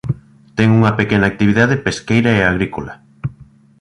Ten unha pequena actividade pesqueira e agrícola.